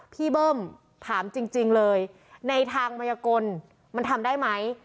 เบิ้มถามจริงเลยในทางมัยกลมันทำได้ไหม